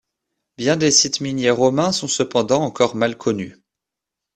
Bien des sites miniers romains sont cependant encore mal connus.